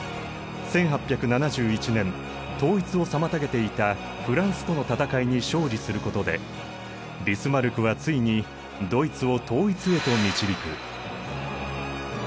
１８７１年統一を妨げていたフランスとの戦いに勝利することでビスマルクはついにドイツを統一へと導く。